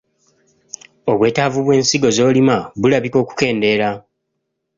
Obwetaavu bw’ensigo z’olima bulabika okukendeera